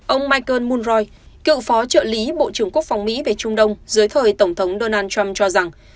ông michael mon roi cựu phó trợ lý bộ trưởng quốc phòng mỹ về trung đông dưới thời tổng thống donald trump cho rằng